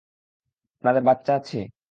আপনাদের বাচ্চা আছে?